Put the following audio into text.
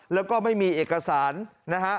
แล้วก็ไม่มีเอกสารนะฮะ